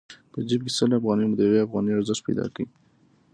په جېب کې سل افغانۍ مو د يوې افغانۍ ارزښت پيدا کړ.